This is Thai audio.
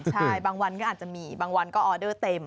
ใช่บางวันก็อาจจะมีบางวันก็ออเดอร์เต็ม